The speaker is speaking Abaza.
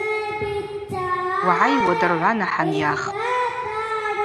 Угӏай уадыргӏвана хӏанйахпӏ.